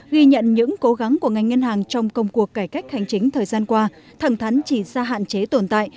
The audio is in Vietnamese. ghi nhận những cố gắng của ngành ngân hàng trong công cuộc cải cách hành chính thời gian qua thẳng thắn chỉ ra hạn chế tồn tại